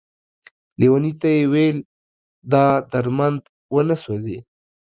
ليوني ته يې ويل دا درمند ونه سوځې ،